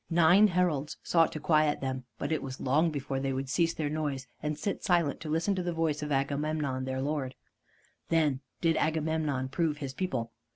Nine heralds sought to quiet them, but it was long before they would cease their noise, and sit silent to listen to the voice of Agamemnon their lord. Then did Agamemnon prove his people.